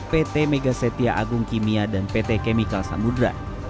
pt megasetia agung kimia dan pt chemical samudera